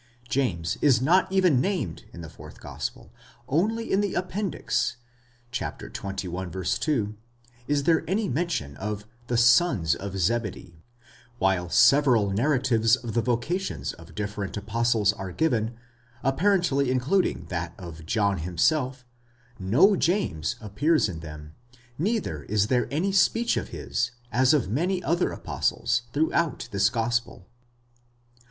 James is not even named in the fourth gospel; only in the appendix (xxi. 2) is there any men tion of the soxs of Zebedee ; while several narratives of the vocations of differ ent apostles are given, apparently including that of John himself, no James appears in them, neither is there any speech of his, as of many other apostles, throughout this gospel.